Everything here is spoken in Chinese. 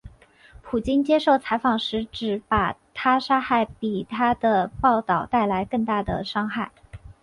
普京接受采访时指把她杀害比她的报导带来更大的伤害。